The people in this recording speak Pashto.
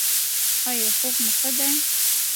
ایا خوب مو ښه دی؟